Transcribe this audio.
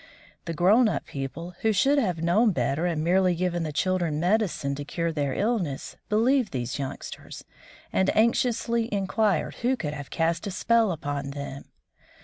The grown up people, who should have known better and merely given the children medicine to cure their illness, believed these youngsters, and anxiously inquired who could have cast a spell upon them.